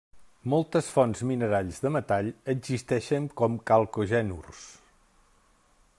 Moltes fonts minerals de metall existeixen com calcogenurs.